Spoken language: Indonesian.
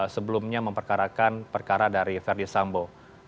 sebelumnya memperkarakan perkara dari verdi sambo